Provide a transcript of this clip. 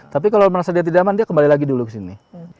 tapi kalau merasa dia tidak aman dia kembali lagi dulu ke sini